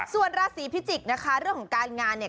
ส่วนราศีพิจิกษ์นะคะเรื่องของการงานเนี่ย